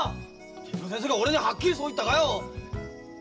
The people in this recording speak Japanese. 手先生が俺にはっきりそう言ったがよ！